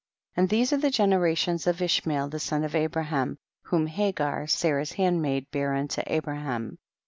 14. And these are the generations of Ishmael the son of Abraham, whom Hagar, Sarah's handmaid, bare unto Abraham.